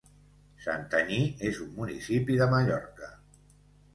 Santanyí és un municipi de Mallorca.